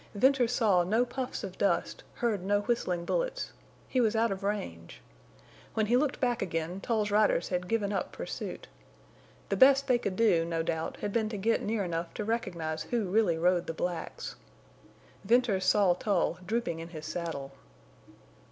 Venters saw no puffs or dust, heard no whistling bullets. He was out of range. When he looked back again Tull's riders had given up pursuit. The best they could do, no doubt, had been to get near enough to recognize who really rode the blacks. Venters saw Tull drooping in his saddle.